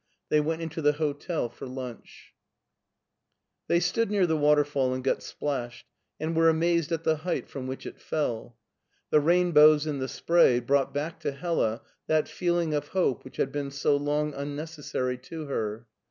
They went into the hc^el for lunch. They stood near the waterfall and got splashed, and were amazed at the height from which it fell. The rainbows in the spray brought back to Hella that f eelr ing of hope which had been so long unnecessary to her.